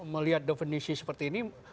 melihat definisi seperti ini